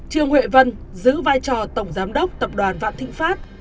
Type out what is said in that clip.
trương huệ vân giữ vai trò tổng giám đốc tập đoàn vạn thịnh pháp